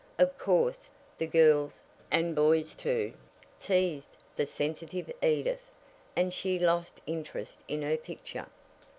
Of course, the girls, and boys too, teased the sensitive Edith, and she lost interest in her picture.